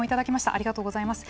ありがとうございます。